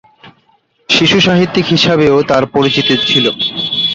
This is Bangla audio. শিশুসাহিত্যিক হিসাবেও তাঁর পরিচিতি ছিল।